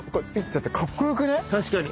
確かに。